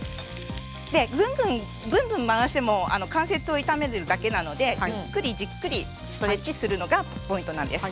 ブンブン回しても関節を痛めるだけなのでゆっくりじっくりストレッチするのがポイントなんです。